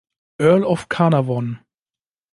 Earl of Carnarvon.